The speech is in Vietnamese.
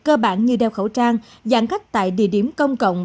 cơ bản như đeo khẩu trang giãn cách tại địa điểm công cộng